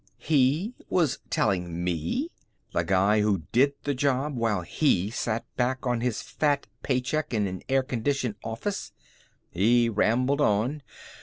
He was telling me the guy who did the job while he sat back on his fat paycheck in an air conditioned office. He rambled on.